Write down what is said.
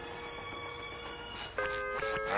あ？